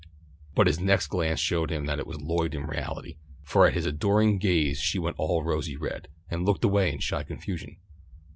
But his next glance showed him that it was Lloyd in reality, for at his adoring gaze she went all rosy red, and looked away in shy confusion.